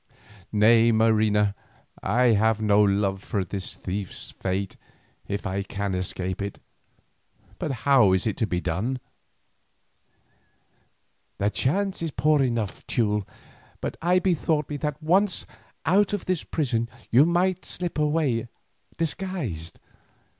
"Nay, Marina, I have no love for this thief's fate if I can escape it, but how is it to be done?" "The chance is poor enough, Teule, but I bethought me that once out of this prison you might slip away disguised.